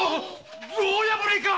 牢破りか！